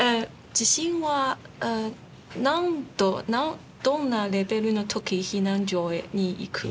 地震は何度どんなレベルの時避難所に行く？